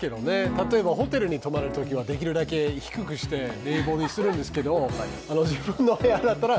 例えばホテルに泊まるときはできるだけ低くして冷房にするんですけど、自分の部屋だったら